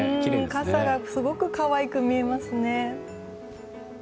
傘がすごく可愛く見えますね。